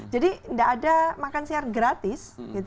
jadi tidak ada makan siar gratis